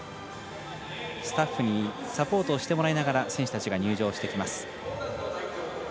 スタッフにサポートをしてもらいながら選手たちが入場してきます。